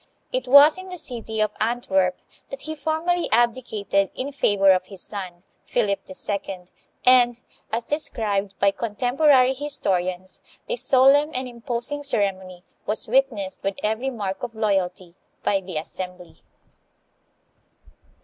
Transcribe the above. It was in the city of Antwerp that he formally abdicated in favor of his son, Philip II., and, as described by contemporary historians, this solemn and imposing ceremony was witnessed with every mark of loyalty by the assembly.